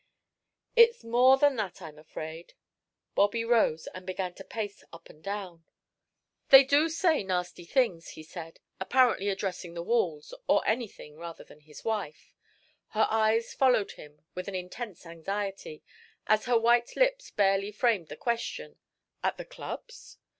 "It's more than that, I'm afraid." Bobby rose and began to pace up and down. "They do say nasty things," he said, apparently addressing the walls, or anything rather than his wife. Her eyes followed him with an intense anxiety, as her white lips barely framed the question: "At the clubs?"